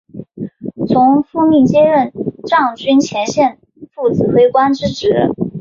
从父命接任藏军前线副指挥官之职。